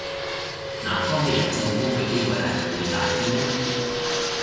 南方嘅人中風嘅機會係咪會大啲呢?